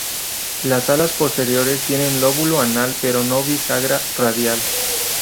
Las alas posteriores tienen lóbulo anal pero no bisagra radial.